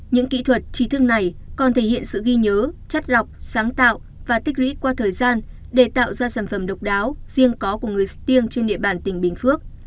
những kỹ thuật trí thức này còn thể hiện sự ghi nhớ chất lọc sáng tạo và tích lũy qua thời gian để tạo ra sản phẩm độc đáo riêng có của người stiêng trên địa bàn tỉnh bình phước